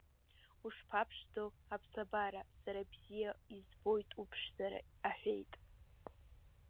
Ушԥаԥшӡоу, аԥсабара, сара бзиа избоит уԥшӡара, — аҳәеит.